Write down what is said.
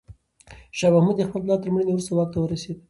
شاه محمود د خپل پلار تر مړینې وروسته واک ته ورسېد.